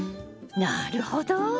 なるほど！